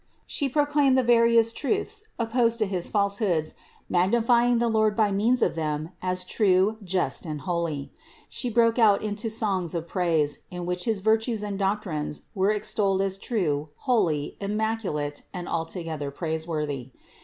She proclaimed the various truths opposed to his falsehoods, magnifying the Lord by means of them as true, just and 290 CITY OF GOD holy. She broke out into songs of praise, in which his virtues and doctrines were extolled as true, holy, immac ulate and altogether praiseworthy.